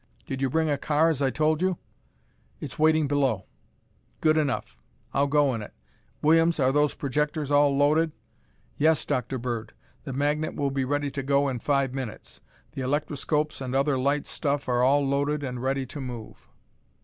Did you bring a car as I told you?" "It's waiting below." "Good enough. I'll go in it. Williams, are those projectors all loaded?" "Yes, Dr. Bird. The magnet will be ready to go in five minutes. The electroscopes and the other light stuff are all loaded and ready to move."